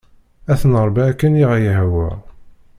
Ad ten-nṛebbi akken i ɣ-yehwa.